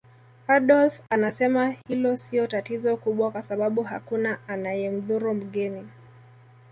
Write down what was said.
Adolf anasema hilo sio tatizo kubwa kwa sababu hakuna anayemdhuru mgeni